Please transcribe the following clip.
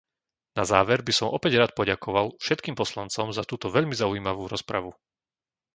Na záver by som opäť rád poďakoval všetkým poslancom za túto veľmi zaujímavú rozpravu.